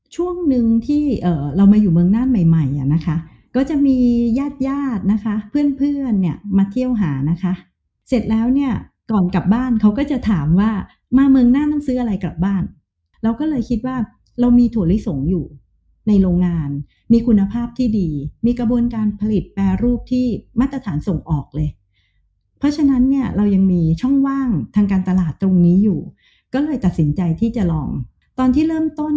ช่วงหนึ่งที่เรามาอยู่เมืองน่านใหม่ใหม่อ่ะนะคะก็จะมีญาติญาตินะคะเพื่อนเพื่อนเนี่ยมาเที่ยวหานะคะเสร็จแล้วเนี่ยก่อนกลับบ้านเขาก็จะถามว่ามาเมืองน่านต้องซื้ออะไรกลับบ้านเราก็เลยคิดว่าเรามีถั่วลิสงอยู่ในโรงงานมีคุณภาพที่ดีมีกระบวนการผลิตแปรรูปที่มาตรฐานส่งออกเลยเพราะฉะนั้นเนี่ยเรายังมีช่องว่างทางการตลาดตรงนี้อยู่ก็เลยตัดสินใจที่จะลองตอนที่เริ่มต้น